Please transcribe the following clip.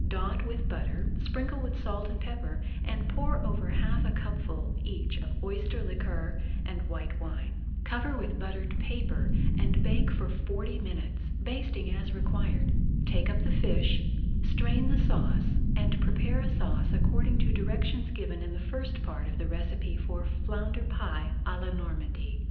Dot with butter, sprinkle with salt and pepper, and pour over half a cupful each of oyster liquor and white wine. Cover with buttered paper and bake for forty minutes, basting as required. Take up the fish, strain the sauce, and prepare a sauce according to directions given in the first part of the recipe for Flounder Pie à la Normandy.